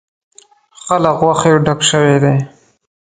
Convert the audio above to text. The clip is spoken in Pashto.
ښه له غوښې ډک شوی دی.